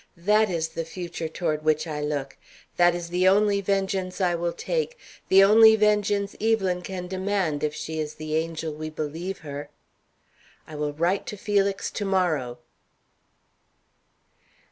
That is the future toward which I look; that is the only vengeance I will take, the only vengeance Evelyn can demand if she is the angel we believe her. I will write to Felix to morrow.